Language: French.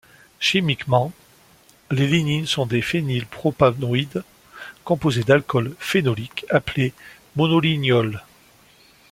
Chimiquement, les lignines sont des phénylpropanoïdes composés d'alcools phénoliques appelés monolignols.